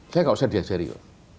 saya gak usah diajarin you